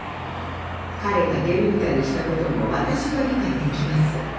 彼が「ゲルニカ」にしたことも私は理解できます。